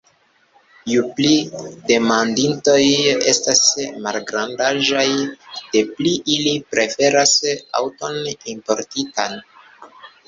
Ju pli demanditoj estas malgrandaĝaj, des pli ili preferas aŭton importitan.